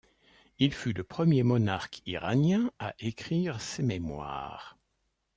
Il fut le premier monarque iranien à écrire ses mémoires.